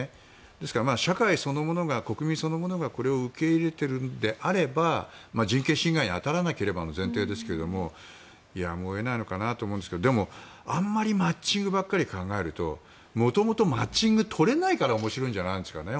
ですから社会そのものが国民そのものがそれを受け入れているのであれば人権侵害とかは別ですけどやむを得ないのかなと思いますがでも、あんまりマッチングばかり考えると元々マッチング取れないから面白いんじゃないんですかね